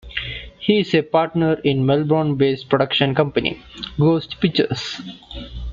He is a partner in the Melbourne-based production company, Ghost Pictures.